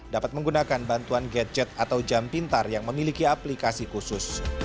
dapat menggunakan bantuan gadget atau jam pintar yang memiliki aplikasi khusus